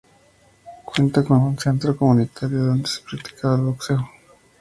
Cuenta con un centro comunitario donde se practica boxeo.